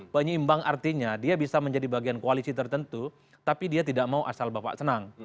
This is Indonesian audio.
penyeimbang artinya dia bisa menjadi bagian koalisi tertentu tapi dia tidak mau asal bapak senang